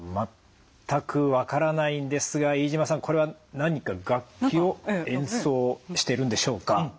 全く分からないんですが飯島さんこれは何か楽器を演奏してるんでしょうか？